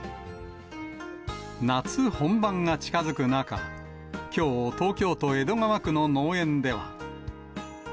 夏本番が近づく中、きょう、東京都江戸川区の農園では。